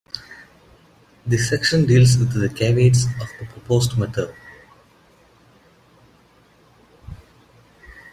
This section deals with the caveats of the proposed method.